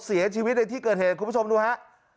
เสียชีวิตในที่เกิดเหตุคุณผู้ชมดูฮะ